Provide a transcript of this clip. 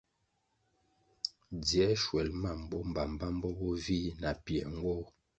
Dziē shwel mam bo mbpambpambo bo vih na piē nwoh.